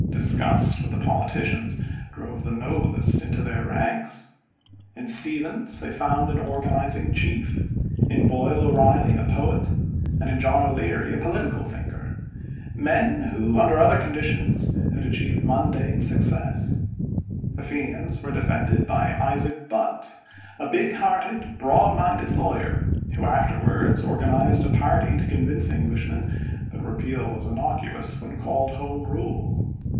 Disgust with the politicians drove the noblest into their ranks. In Stephens they found an organizing chief, in Boyle O'Reilly a poet, and in John O'Leary a political thinker, men who under other conditions had achieved mundane success. The Fenians were defended by Isaac Butt, a big hearted, broad minded lawyer, who afterwards organized a party to convince Englishmen that Repeal was innocuous, when called "Home Rule."